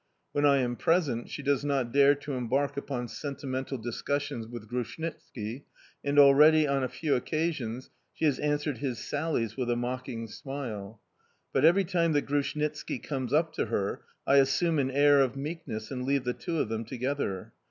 When I am present, she does not dare to embark upon sentimental discussions with Grushnitski, and already, on a few occasions, she has answered his sallies with a mocking smile. But every time that Grushnitski comes up to her I assume an air of meekness and leave the two of them together.